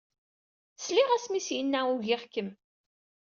Sliɣ-as mi s-yenna ugiɣ-kem.